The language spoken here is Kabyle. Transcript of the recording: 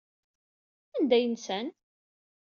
Anda ay nsan?